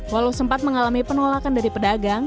walau sempat mengalami penolakan dari pedagang